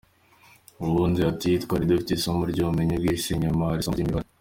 Undi ati “Twari dufite isomo ry’ubumenyi bw’isi nyuma hari isomo ry’imibare.